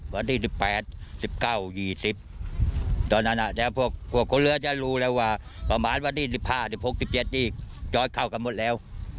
วันที่๑๘๑๙๒๐ตอนนั้นพวกคนเรือจะรู้แล้วว่าประมาณวันที่๑๕๑๖๑๗นี่ยอดเข้ากันหมดแล้ว